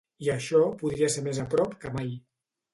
I això podria ser més a prop que mai.